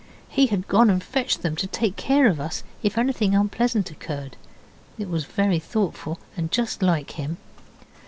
He had gone and fetched them to take care of us if anything unpleasant occurred. It was a very thoughtful, and just like him.